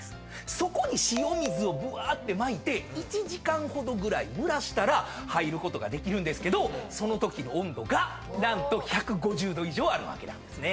そこに塩水をぶわーってまいて１時間ほど蒸らしたら入ることができるんですけどそのときの温度が何と１５０℃以上あるわけなんですね。